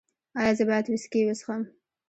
ایا زه باید ویسکي وڅښم؟